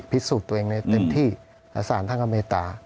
พิสูจน์ตัวเองในเต็มที่อาสารทางกำเนตา